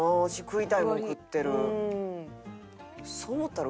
そう思ったら。